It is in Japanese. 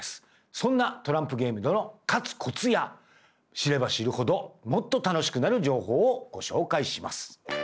そんなトランプゲームでの勝つコツや知れば知るほどもっと楽しくなる情報をご紹介します。